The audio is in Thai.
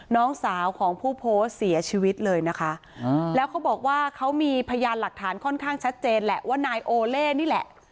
น้องสาวของผู้โพสต์เสียชีวิตเลยนะคะแล้วเขาบอกว่าเขามีพยานหลักฐานค่อนข้างชัดเจนแหละว่านายโอเล่นี่แหละ